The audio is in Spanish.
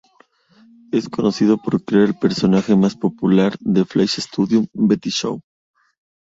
Es conocido por crear el personaje más popular de Fleischer Studios, Betty Boop.